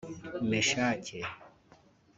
Meshake